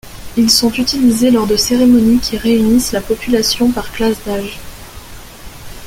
Ils sont utilisés lors de cérémonies qui réunissent la population par classes d'âge.